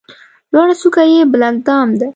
لوړه څوکه یې بلک دام ده.